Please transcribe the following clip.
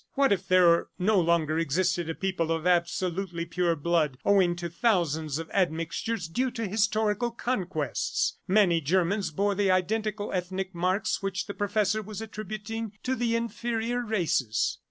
What if there no longer existed a people of absolutely pure blood, owing to thousands of admixtures due to historical conquests!" ... Many Germans bore the identical ethnic marks which the professor was attributing to the inferior races.